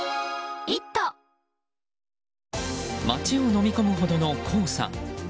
街をのみ込むほどの黄砂。